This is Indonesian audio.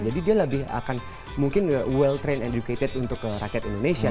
jadi dia lebih akan mungkin well trained educated untuk rakyat indonesia